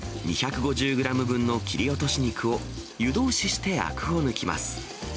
２５０グラム分の切り落とし肉を、湯通ししてあくを抜きます。